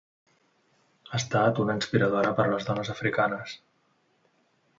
Ha estat una inspiradora per a les dones africanes.